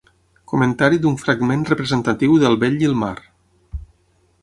Comentari d'un fragment representatiu de El vell i el mar.